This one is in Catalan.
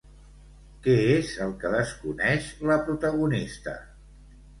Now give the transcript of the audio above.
Què és el que desconeix la protagonista?